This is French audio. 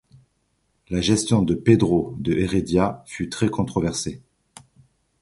La gestion de Pedro de Heredia fut très controversée.